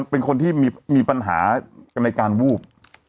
เป็นคนที่มีปัญหากันในการวูบ